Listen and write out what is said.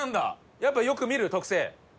やっぱよく見る？